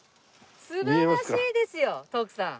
素晴らしいですよ徳さん。